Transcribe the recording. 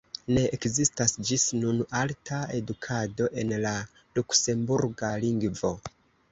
Ne ekzistas ĝis nun alta edukado en la luksemburga lingvo.